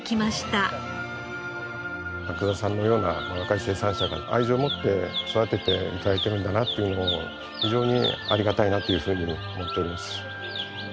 阿久澤さんのような若い生産者が愛情をもって育てて頂いてるんだなっていうのを非常にありがたいなっていうふうに思っております。